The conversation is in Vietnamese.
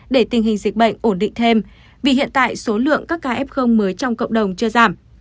để tình hình dịch bệnh ổn định thêm vì hiện tại số lượng các ca f mới trong cộng đồng chưa giảm